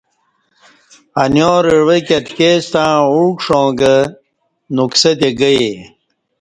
انیار عوہ کی اتکے ستݩع ا ع کݜاں گہ نکسہ تے گیے